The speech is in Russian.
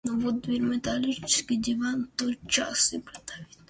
Вот доверь металлический диван, так тот час и продавить норовят.